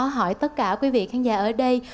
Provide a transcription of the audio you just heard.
hỏi tất cả quý vị khán giả ở đây